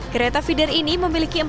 kereta feeder ini memiliki